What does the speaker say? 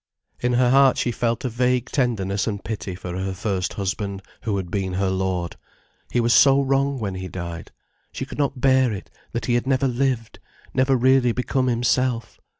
In her heart she felt a vague tenderness and pity for her first husband, who had been her lord. He was so wrong when he died. She could not bear it, that he had never lived, never really become himself.